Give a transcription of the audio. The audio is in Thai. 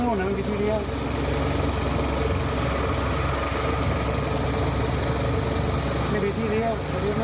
ไม่มีที่เลี้ยวไม่มีที่เลี้ยว